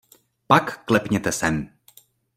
Pak klepněte sem.